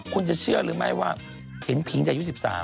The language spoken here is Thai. คุณจะเชื่อหรือไม่ว่าเห็นผีแต่อายุ๑๓